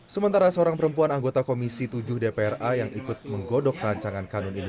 sementara seorang perempuan anggota komisi tujuh dpra yang ikut menggodok rancangan kanun ini